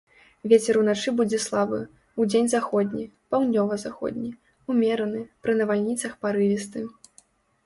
Вецер уначы будзе слабы, удзень заходні, паўднёва-заходні, умераны, пры навальніцах парывісты.